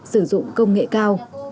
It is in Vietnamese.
sử dụng công nghệ cao